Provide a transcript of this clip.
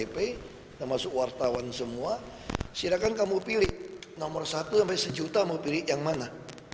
pertahuan semua silakan kamu pilih nomor satu sampai satu juta mau pilih yang mana